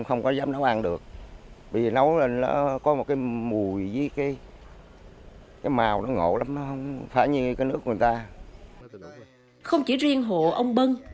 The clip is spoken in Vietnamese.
không chỉ riêng hộ ông bân